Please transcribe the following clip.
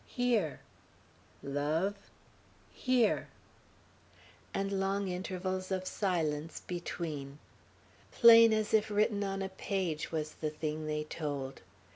"Here." "Love?" "Here," and long intervals of silence between. Plain as if written on a page was the thing they told.